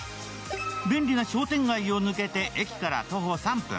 便利な商店街を抜けて、駅から徒歩３分。